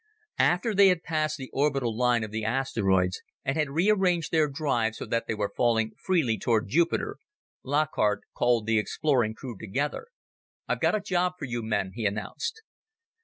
After they had passed the orbital line of the asteroids and had rearranged their drive so that they were falling freely toward Jupiter, Lockhart called the exploring crew together. "I've got a job for you men," he announced.